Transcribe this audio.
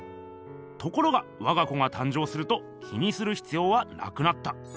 ところがわが子が誕生すると気にするひつようはなくなった。